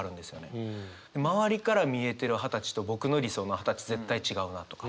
周りから見えてる二十歳と僕の理想の二十歳絶対違うなとか。